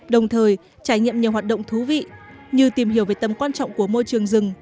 đồng thời trải nghiệm nhiều hoạt động thú vị như tìm hiểu về tầm quan trọng của môi trường rừng